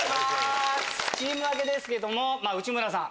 チーム分けですけども内村さん